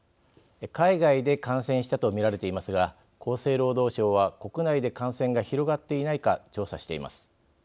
海外で感染したと見られていますが厚生労働省は国内で感染が広がっていないか調査しています。